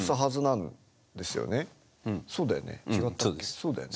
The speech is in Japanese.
そうだよね？